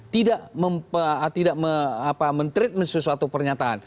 tidak men treatment sesuatu pernyataan